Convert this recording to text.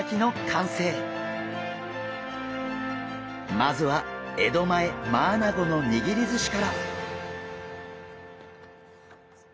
まずは江戸前マアナゴの握りずしから！